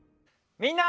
みんな！